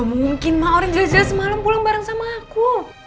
gak mungkin mah orang jelas jelas semalam pulang bareng sama aku